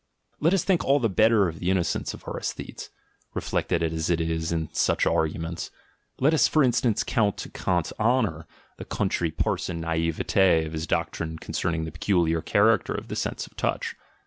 Let us think all the better of the innocence of our aesthetes, reflected as it is in such arguments; let us, for instance, count to Kant's honour the country parson naivete of his doctrine concerning the peculiar character of the sense of touch!